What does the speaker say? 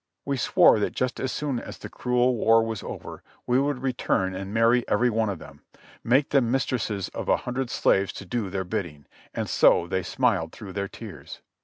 We swore that just as soon as the cruel war was over we would "return and marry every one of them, — make them mistresses of a hundred slaves to do their bidding," and so they smiled through their tears.